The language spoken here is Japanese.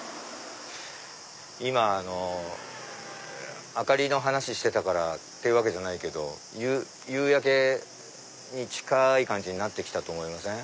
今明かりの話してたからっていうわけじゃないけど夕焼けに近い感じになって来たと思いません？